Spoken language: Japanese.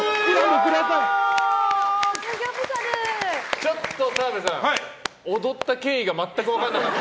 ちょっと澤部さん踊った経緯が全く分からなかった。